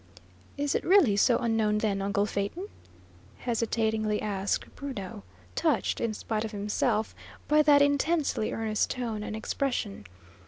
"Is it really so unknown, then, uncle Phaeton?" hesitatingly asked Bruno, touched, in spite of himself, by that intensely earnest tone and expression.